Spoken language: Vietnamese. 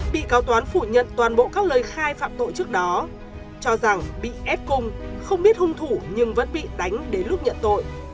bị cáo toán phủ nhận toàn bộ các lời khai phạm tội trước đó cho rằng bị ép cung không biết hung thủ nhưng vẫn bị đánh đến lúc nhận tội